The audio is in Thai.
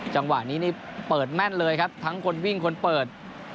จังหวะนี้นี่เปิดแม่นเลยครับทั้งคนวิ่งคนเปิด